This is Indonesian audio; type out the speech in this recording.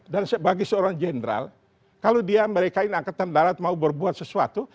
dan bagi seorang jenderal kalau dia mereka ini angkatan darat mau berbuat sesuatu